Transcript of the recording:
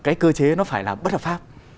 cái cơ chế nó phải là bất hợp pháp